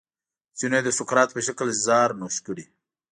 ځینو یې د سقراط په شکل زهر نوش کړي.